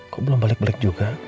kok belum balik balik juga